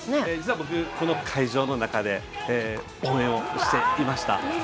僕、この会場の中で応援をしていました。